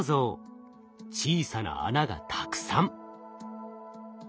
小さな穴がたくさん。